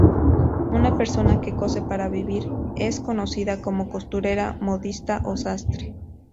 Una persona que cose para vivir es conocida como costurera, modista o sastre.